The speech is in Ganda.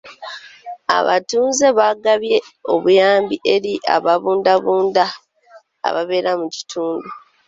Abatuuze baagabye obuyambi eri ababundabunda ababeera mu kitundu.